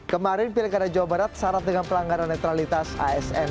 kemarin pilihkada jawa barat sarat dengan pelanggaran netralitas asn